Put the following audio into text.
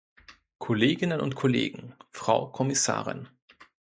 Kolleginnen und Kollegen, Frau Kommissarin!